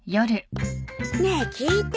ねえ聞いて。